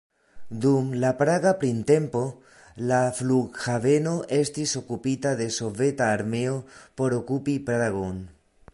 Dum la Praga printempo, la flughaveno estis okupita de Soveta armeo por okupi Pragon.